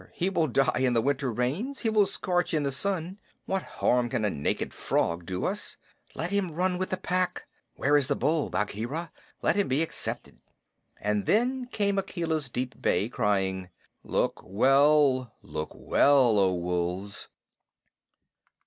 He will die in the winter rains. He will scorch in the sun. What harm can a naked frog do us? Let him run with the Pack. Where is the bull, Bagheera? Let him be accepted." And then came Akela's deep bay, crying: "Look well look well, O Wolves!"